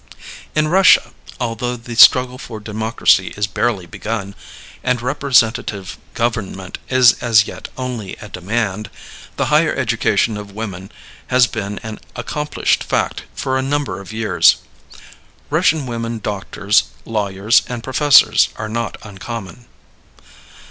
In Russia, although the struggle for democracy is barely begun, and representative government is as yet only a demand, the higher education of women has been an accomplished fact for a number of years. Russian women doctors, lawyers, and professors are not uncommon.